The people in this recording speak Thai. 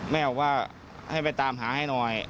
แม่บอกว่าให้ไปตามหาให้หน่อย